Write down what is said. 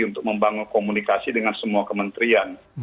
untuk membangun komunikasi dengan semua kementerian